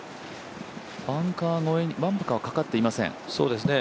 バンカーには、かかっていません。